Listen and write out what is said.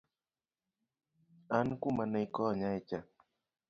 An kuma ni konyae cha